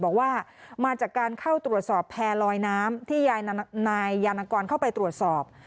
บอกว่ามาจากการเข้าตรวจสอบแพร่ลอยน้ำที่นายยานกรเข้าไปตรวจสอบ